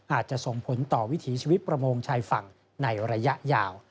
อาจจะส่งผลต่อวิถีชีวิตประมงชายฝั่งในระยะยาว